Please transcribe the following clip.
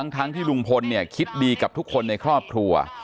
ทั้งที่ลุงพลคิดดีกับทุกคนในครอบครัว